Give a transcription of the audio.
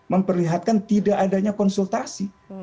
memperlihatkan tidak adanya konsultasi